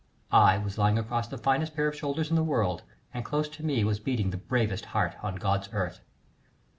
I was lying across the finest pair of shoulders in the world, and close to me was beating the bravest heart on God's earth.